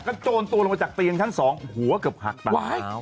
โจรตัวลงมาจากเตียงชั้น๒หัวเกือบหักไป